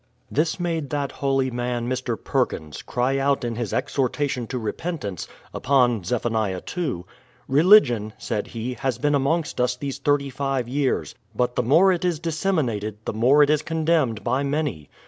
This made that holy man, Mr. Perkins, cry out in his ex hortation to repentance, upon Zeph. ii. "Religion," said he, "has been amongst us these thirty five years ; but the more it is disseminated, the more it is condemned by many.